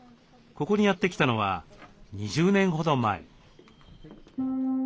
ここにやって来たのは２０年ほど前。